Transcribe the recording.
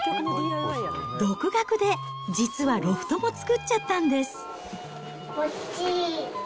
独学で実はロフトも作っちゃったんです。